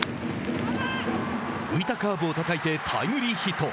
浮いたカーブをたたいてタイムリーヒット。